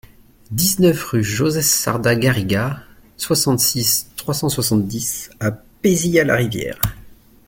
dix-neuf rue Joseph Sarda Garriga, soixante-six, trois cent soixante-dix à Pézilla-la-Rivière